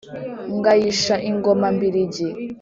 Ngayisha ingoma mbiligi